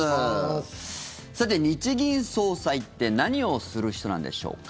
さて、日銀総裁って何をする人なんでしょうか。